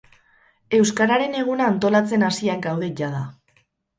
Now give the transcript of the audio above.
Euskararen eguna antolatzen hasiak gaude jada.